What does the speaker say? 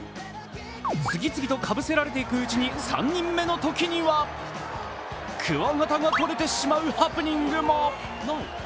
次々とかぶせられていくうちに３人目のときにはくわがたが取れてしまうハプニングも。